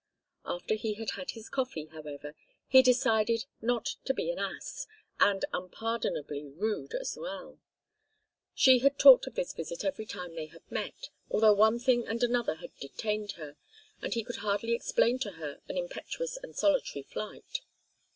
After he had had his coffee, however, he decided not to be an ass, and unpardonably rude as well. She had talked of this visit every time they had met, although one thing and another had detained her, and he could hardly explain to her an impetuous and solitary flight.